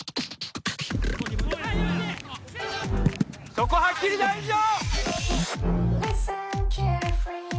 そこはっきり大事だ！